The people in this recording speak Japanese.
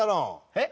えっ？